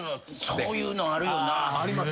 そういうのあるよな。